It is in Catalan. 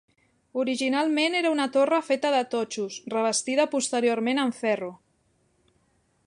Originalment era una torre feta de totxos, revestida posteriorment amb ferro.